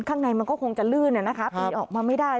ข้างในมันก็คงจะลื่นปีนออกมาไม่ได้